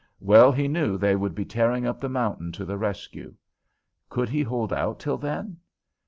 Well he knew they would be tearing up the mountain to the rescue. Could he hold out till then?